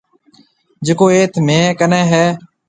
جڪو ايٿ مهيَ ڪنيَ هيَ۔